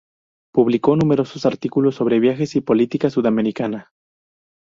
Publicó numerosos artículos sobre viajes y política sudamericana.